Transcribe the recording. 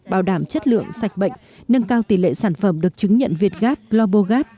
bảo đảm chất lượng sạch bệnh nâng cao tỷ lệ sản phẩm được chứng nhận việt gap global gap